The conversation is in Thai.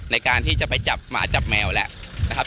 ในการที่จะไปจับหมาจับแมวแล้วนะครับ